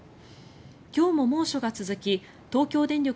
今日も猛暑が続き東京電力